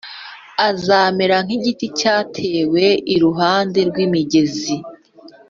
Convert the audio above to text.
azamera nk igiti cyatewe iruhande rw imigezi.